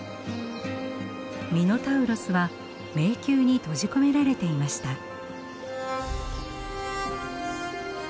ミノタウロスは迷宮に閉じ込められていました。